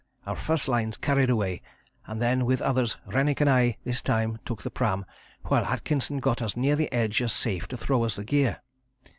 Our first lines carried away, and then, with others, Rennick and I this time took the pram while Atkinson got as near the edge as safe to throw us the gear.